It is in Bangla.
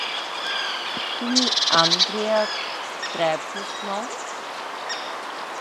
তুমি আন্দ্রেয়া স্ট্যাভ্রোস নও?